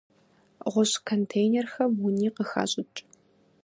Гъущӏ контейнерхэм уни къыхащӏыкӏ.